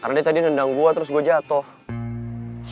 karena dia tadi nendang gue terus gue jatoh